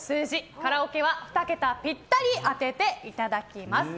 カラオケは２桁ピッタリ当てていただきます。